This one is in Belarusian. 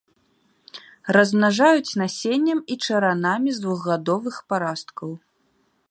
Размнажаюць насеннем і чаранамі з двухгадовых парасткаў.